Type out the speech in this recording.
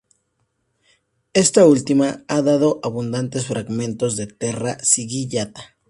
Está última ha dado abundantes fragmentos de "terra sigillata".